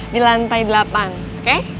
di lantai delapan oke